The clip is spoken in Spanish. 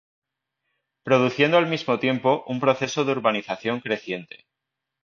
Produciendo al mismo tiempo, un proceso de urbanización creciente.